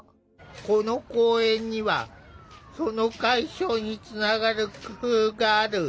この公園にはその解消につながる工夫がある。